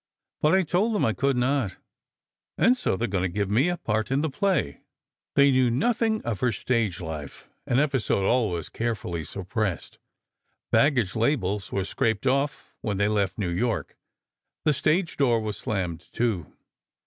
But I told them I could not, and so they are going to give me a part in the play. They knew nothing of her stage life—an episode always carefully suppressed. Baggage labels were scraped off when they left New York. The stage door was slammed to.